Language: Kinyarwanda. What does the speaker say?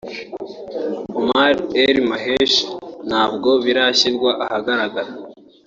Omar el-Meheshi ntabwo birashyirwa ahagaragara